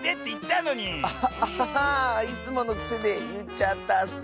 いつものくせでいっちゃったッス。